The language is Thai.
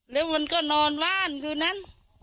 แล้วมันก็นอนบ้านคืนนั้น